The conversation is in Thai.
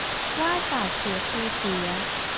ว่าสาดเสียเทเสีย